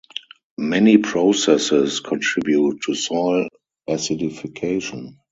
Many processes contribute to soil acidification.